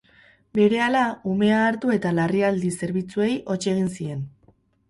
Berehala, umea hartu eta larrialdi zerbitzuei hots egin zien.